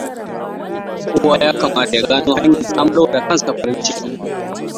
Kowa ya kamata ya gano hanyar samarwa da kansa farin ciki.